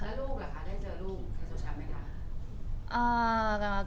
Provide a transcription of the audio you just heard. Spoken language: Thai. แล้วลูกหล่ะคะได้เจอลูกไซงสยามไหมค่ะ